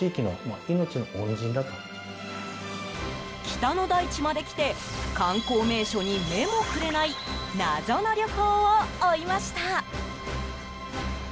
北の大地まで来て観光名所に目もくれない謎の旅行を追いました。